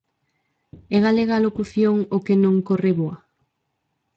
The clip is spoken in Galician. É galega a locución o que non corre, voa?